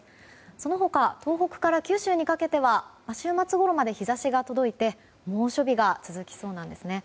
その他、東北から九州にかけては週末ごろまで日差しが届いて猛暑日が続きそうなんですね。